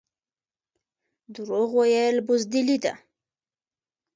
دروغ ویل بزدلي ده